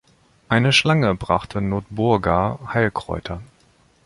Eine Schlange brachte Notburga Heilkräuter.